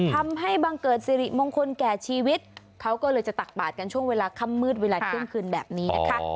ทำให้บังเกิดสิริมงคลแก่ชีวิตเขาก็เลยจะตักบาดกันช่วงเวลาค่ำมืดเวลาเที่ยงคืนแบบนี้นะคะ